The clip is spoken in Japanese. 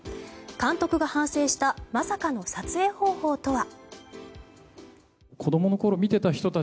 監督が反省したまさかの撮影方法とは。